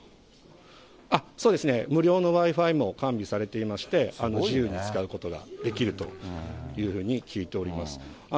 そうですね、無料のＷｉ−Ｆｉも完備されていまして、自由に使うことができるというふうに聞いております。